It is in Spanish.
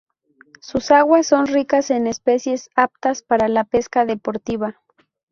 Sus aguas son ricas en especies aptas para la pesca deportiva.